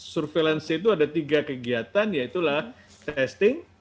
surveillance itu ada tiga kegiatan yaitulah testing